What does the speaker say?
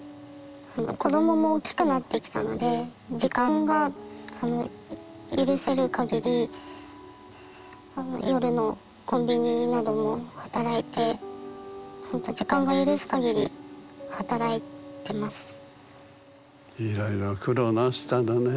子どもも大きくなってきたので時間が許せるかぎり夜のコンビニなども働いてほんといろいろ苦労なすったのね。